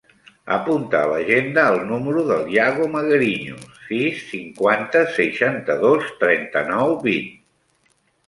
Apunta a l'agenda el número del Yago Magariños: sis, cinquanta, seixanta-dos, trenta-nou, vint.